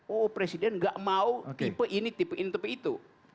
oh presiden nggak mau tipe ini tipe itu